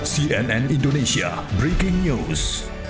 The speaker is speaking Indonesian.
cnn indonesia breaking news